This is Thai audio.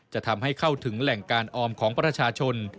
จะทำให้เข้าถึงแหล่งการออมของประชาชน